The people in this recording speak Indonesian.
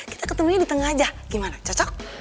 kita ketemunya di tengah aja gimana cocok